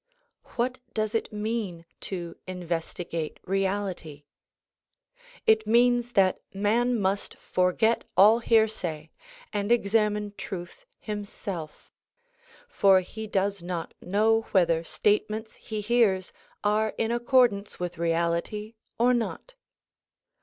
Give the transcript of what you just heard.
What does it mean to investigate reality ? It means that man must forget all hearsay and examine truth him self ; for he does not know whether statements he hears are in ac cordance with reality or not.